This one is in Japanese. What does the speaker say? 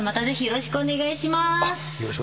よろしくお願いします